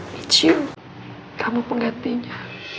michiu kamu penggantinya